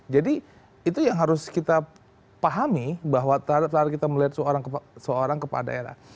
jadi itu yang harus kita pahami bahwa terhadap kita melihat seorang kepala daerah